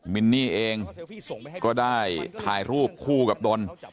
มินนี่เองก็ได้ถ่ายรูปคู่กับดน